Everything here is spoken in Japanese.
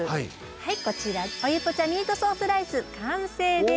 はいこちらお湯ポチャミートソースライス完成です。